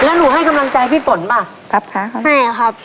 แล้วหนูให้กำลังใจพี่ฝนป่ะครับให้ครับ